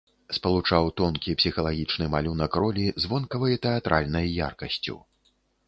Спалучаў тонкі псіхалагічны малюнак ролі з вонкавай тэатральнай яркасцю.